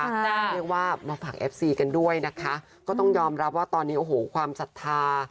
เรียกว่ามาฝากเอฟซีกันด้วยนะคะก็ต้องยอมรับว่าตอนนี้โอ้โหความศรัทธา